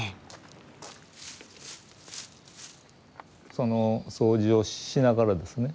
その掃除をしながらですね